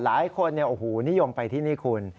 หลายคนนิยมไปที่นี่คุณ